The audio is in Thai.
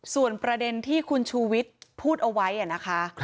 ส่วนประเด็นที่คุณชูวิทย์พูดเอาไว้นะคะ